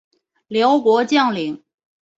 辽国将领。